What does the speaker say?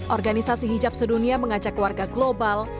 organisasi hijab sedunia mengajak warga global